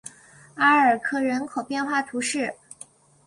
阿尔科人口变化图示